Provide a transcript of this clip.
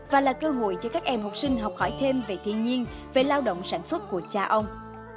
và là cơ hội cho các em học sinh học hỏi thêm về thiên nhiên về lao động sản xuất của cha ông